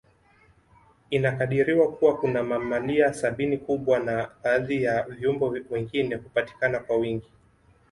Inakadiriwa Kuwa kuna mamalia sabini kubwa na baadhi ya viumbe wengine hupatikana kwa wingi